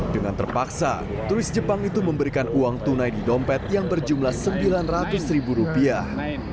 dengan terpaksa turis jepang itu memberikan uang tunai di dompet yang berjumlah sembilan ratus ribu rupiah